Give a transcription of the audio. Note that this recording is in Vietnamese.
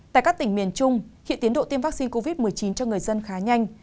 tại các tỉnh miền trung hiện tiến độ tiêm vaccine covid một mươi chín cho người dân khá nhanh